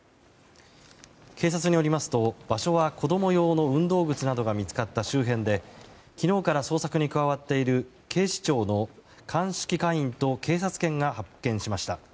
警察によりますと場所は子供用の運動靴などが見つかった周辺で昨日から捜索に加わっている警視庁の鑑識課員と警察犬が発見しました。